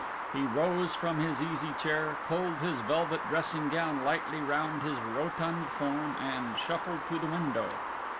He rose from his easy chair, pulled his velvet dressing gown lightly round his rotund form and shuffled to the window.